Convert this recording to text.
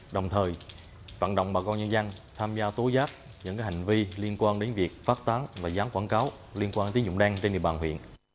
đồng thời vận động bà con nhân dân tham gia tố giác những hành vi liên quan đến việc phát tán và gián quảng cáo liên quan tín dụng đen trên địa bàn huyện